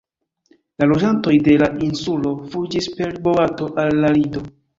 La loĝantoj de la insulo fuĝis per boato al la Lido.